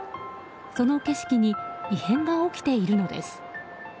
その景色に異変が起きているのです。